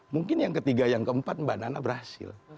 mungkin yang ketiga yang keempat mbak nana berhasil